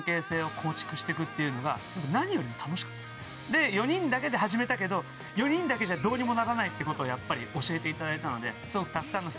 一個ずつ。で４人だけで始めたけど４人だけじゃどうにもならないってことをやっぱり教えていただいたので。